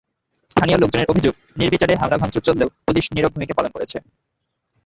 স্থানীয় লোকজনের অভিযোগ, নির্বিচারে হামলা-ভাঙচুর চললেও পুলিশ নীরব ভূমিকা পালন করছে।